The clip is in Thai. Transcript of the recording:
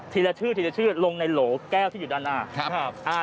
ทีละชื่อลงในโหลแก้วที่อยู่ด้านหน้า